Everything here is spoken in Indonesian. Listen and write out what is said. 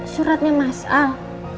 suratnya mas al